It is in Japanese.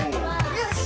よし！